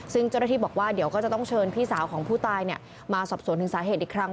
ซึ่งเจ้าหน้าที่บอกว่าเดี๋ยวก็จะต้องเชิญพี่สาวของผู้ตายมาสอบสวนถึงสาเหตุอีกครั้ง